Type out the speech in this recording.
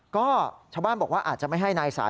ก็ชาวบ้านบอกว่าอาจจะไม่ให้นายสาย